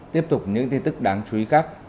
tiếp tục những tin tức đáng chú ý khác